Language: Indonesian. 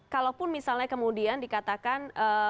kalau misalnya kemudian dikatakan